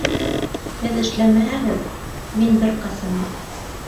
Һеҙ эшләмәһәгеҙ... мин бер ҡасан да...